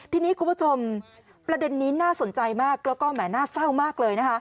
ทีนี้คุณผู้ชมประเด็นนี้น่าสนใจมากแล้วก็แห่น่าเศร้ามากเลยนะคะ